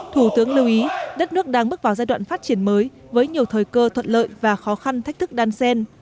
thủ tướng lưu ý đất nước đang bước vào giai đoạn phát triển mới với nhiều thời cơ thuận lợi và khó khăn thách thức đan xen